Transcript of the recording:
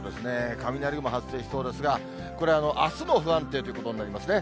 雷雲発生しそうですが、これ、あすも不安定ということになりますね。